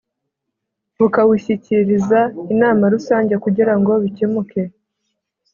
Bukawushyikiriza inama rusange kugira ngo bikemuke